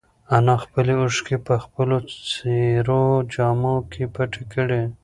انا خپلې اوښکې په خپلو څېرو جامو کې پټې کړې.